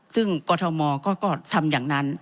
ซึ่งกรทมก็ทำอย่างนั้น